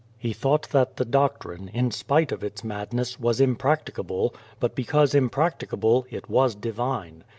He thought that the doctrine, in spite of its madness, was impracticable, but because imprac ticable, it was divine.